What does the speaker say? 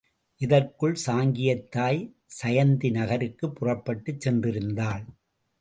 இதற்குள் சாங்கியத் தாய் சயந்தி நகருக்குப் புறப்பட்டுச் சென்றிருந்தாள்.